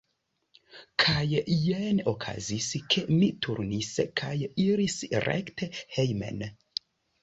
Kaj jen okazis, ke mi turnis kaj iris rekte hejmen.